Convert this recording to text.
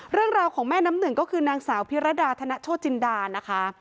เรื่องราวของแม่น้ำหนึ่งก็คือนางสาวพิรดาธนโชจินดานะคะ